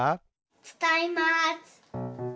つかいます。